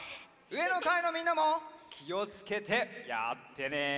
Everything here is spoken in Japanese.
うえのかいのみんなもきをつけてやってね！